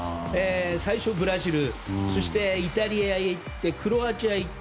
最初ブラジルそしてイタリアへ行ってクロアチアに行って。